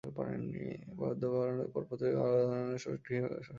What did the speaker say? বরাদ্দ পাওয়ার পরপরই দরপত্র আহ্বানের মাধ্যমে সড়কটির সংস্কারকাজ শুরু করা হবে।